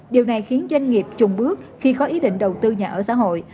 điều này khiến doanh nghiệp chùng bước khi có ý định đầu tư nhà ở xã hội